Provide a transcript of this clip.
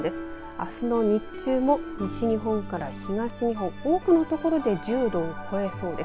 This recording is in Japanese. あすの日中も西日本から東日本、多くの所で１０度を超えそうです。